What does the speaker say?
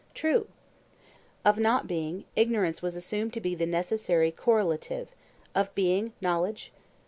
True. Of not being, ignorance was assumed to be the necessary correlative; of being, knowledge?